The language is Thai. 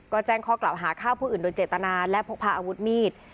ก็แจ้งข้อกล่าวหาฆ่าผู้อื่นโดยเจตนาและพกพาอาวุธมีด